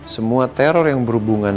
semua teror yang berhubungan